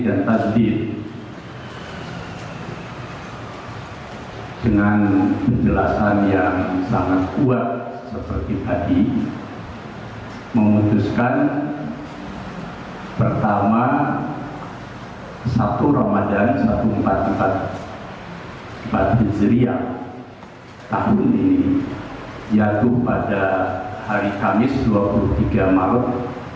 empat hijriah tahun ini jatuh pada hari kamis dua puluh tiga maret dua ribu dua puluh tiga